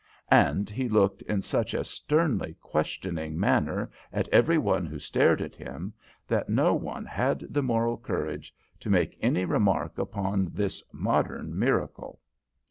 And he looked in such a sternly questioning manner at every one who stared at him, that no one had the moral courage to make any remark about this modern miracle.